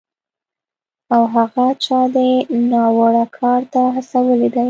او هغه چا دې ناوړه کار ته هڅولی دی